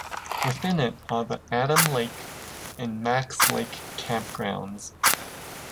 Within it are the Adam Lake and Max Lake campgrounds.